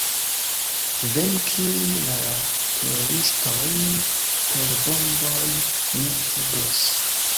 Venki la teroristojn per bomboj ne eblos.